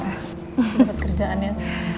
dapet kerjaan ya